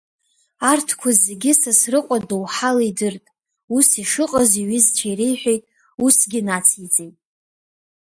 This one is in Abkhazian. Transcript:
Арҭқәа зегьы Сасрыҟәа доуҳала идырт, ус ишыҟаз иҩызцәа иреиҳәеит, усгы нациҵеит…